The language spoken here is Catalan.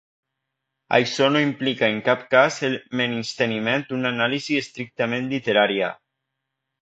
Això no implica en cap cas el menysteniment d'una anàlisi estrictament literària